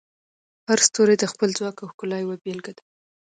هر ستوری د خپل ځواک او ښکلا یوه بیلګه ده.